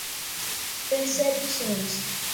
percepções